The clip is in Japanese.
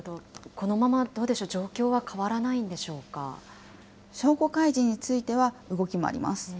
このままどうでしょう、状況は変わらないんでしょ証拠開示については動きもあります。